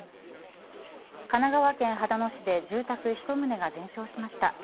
神奈川県秦野市で住宅１棟が全焼しました。